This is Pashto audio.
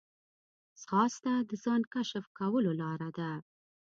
ځغاسته د ځان کشف کولو لاره ده